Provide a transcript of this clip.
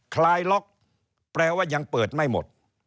คลายล็อกแปลว่ายังเปิดไม่หมด